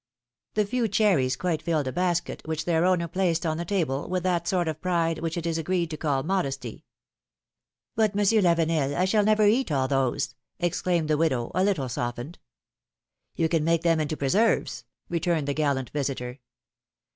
'^ The few cherries quite filled a basket, which their owner placed on the table, with that sort of pride which it is agreed to call modesty. 28 PHILOMi]NE^S MARRIAGES. But, Monsieur Lavenel, I shall never eat all those ! exclaimed the widow, a little softened. ^^You can make them into preserves,'^ returned the gallant visitor.